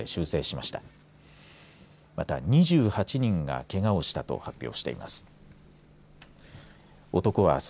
また２８人がけがをしたと発表しています。